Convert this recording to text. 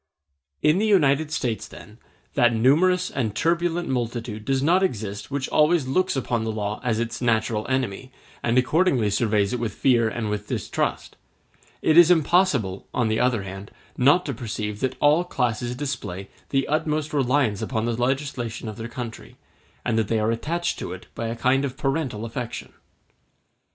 In the United States, then, that numerous and turbulent multitude does not exist which always looks upon the law as its natural enemy, and accordingly surveys it with fear and with fear and with distrust. It is impossible, on the other hand, not to perceive that all classes display the utmost reliance upon the legislation of their country, and that they are attached to it by a kind of parental affection.